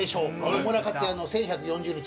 野村克也の１１４０日』